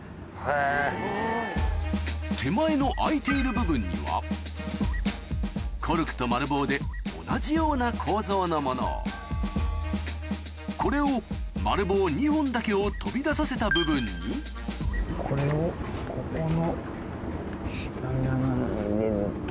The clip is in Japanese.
手前の開いている部分にはコルクと丸棒で同じような構造のものをこれを丸棒２本だけを飛び出させた部分にこれをここの下の穴に入れると。